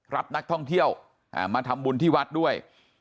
รับนักท่องเที่ยวมาทำบุญที่วัดด้วย